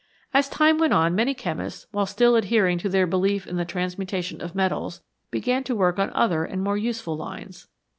As time went on many chemists, while still adhering to their belief in the transmutation of metals, began to work on other and more useful lines.